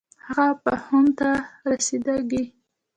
هغه فهم ته نه رسېږي.